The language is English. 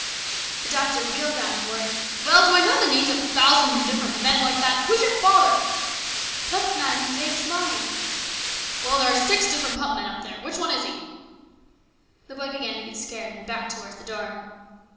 The doctor wheeled round and roared :" Well, do I know the names of a thousand different men like that ? Who is your father ?"" Pump man in the Davis mine." " Well, there are six different pump men up there. Which one is he ?" The boy began to get scared and backed towards the door.